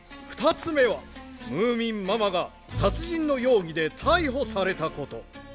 ２つ目はムーミンママが殺人の容疑で逮捕されたこと。